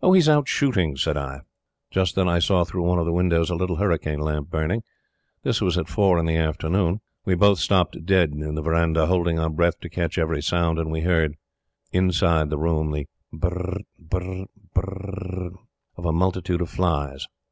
"Oh, he's out shooting," said I. Just then I saw through one of the windows a little hurricane lamp burning. This was at four in the afternoon. We both stopped dead in the verandah, holding our breath to catch every sound; and we heard, inside the room, the "brr brr brr" of a multitude of flies.